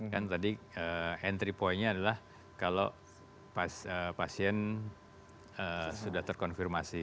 kan tadi entry pointnya adalah kalau pasien sudah terkonfirmasi